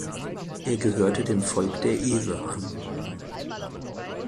Er gehörte dem Volk der Ewe an.